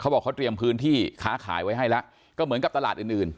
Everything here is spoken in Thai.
บอกเขาเตรียมพื้นที่ค้าขายไว้ให้แล้วก็เหมือนกับตลาดอื่นอื่น